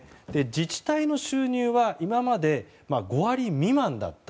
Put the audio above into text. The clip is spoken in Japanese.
自治体の収入は今まで５割未満だった。